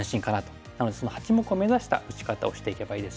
なのでその８目を目指した打ち方をしていけばいいですし。